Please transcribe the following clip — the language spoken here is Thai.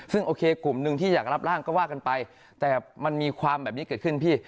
ซึ่งโอเคกลุ่มหนึ่งที่อยากรับร่างก็ว่ากันไปแต่มันมีความแบบนี้เกิดขึ้นพี่